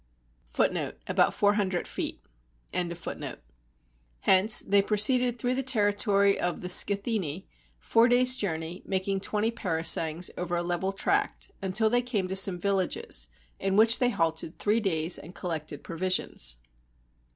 ^ Hence they pro ceeded through the territory of the Scythini, four days' journey, making twenty parasangs, over a level tract, until they came to some villages, in which they halted three days, and collected provisions.